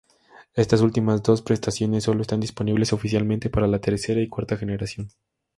Estas últimas dos prestaciones solo están disponibles oficialmente para la tercera y cuarta generación.